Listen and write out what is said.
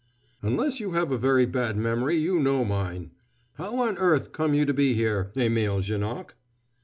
"Unless you have a very bad memory you know mine! How on earth come you to be here, Émile Janoc?"